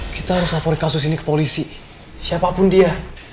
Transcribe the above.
kita harus lapor kasus ini ke polisi siapapun dia